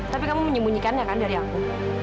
tapi kamu menyembunyikannya kan dari aku